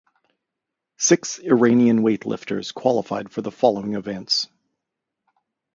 Six Iranian weightlifters qualified for the following events.